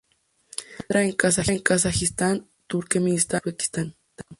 Se encuentra en Kazajistán, Turkmenistán y Uzbekistán.